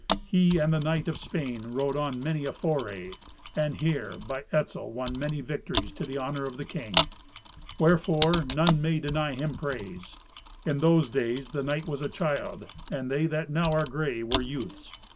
He and the knight of Spain rode on many a foray, and here, by Etzel, won many victories to the honour of the king. Wherefore none may deny him praise. In those days the knight was a child, and they that now are grey were youths.